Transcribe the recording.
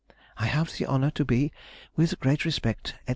I have the honour to be, With great respect, &c.